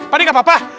pak adek gak apa apa